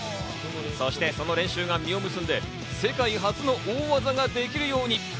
そして、その練習が実を結んで、世界初の大技ができるように。